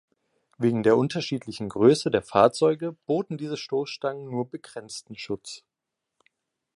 Wegen der unterschiedlichen Größe der Fahrzeuge boten diese Stoßstangen nur begrenzten Schutz.